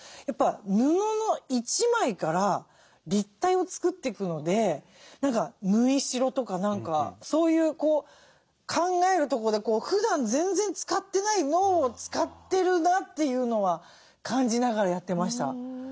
やっぱ布の一枚から立体を作っていくので何か縫い代とか何かそういうこう考えるとこでふだん全然使ってない脳を使ってるなというのは感じながらやってました。